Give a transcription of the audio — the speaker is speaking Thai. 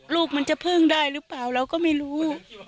ลูกมันจะพึ่งได้หรือเปล่าเราก็ไม่รู้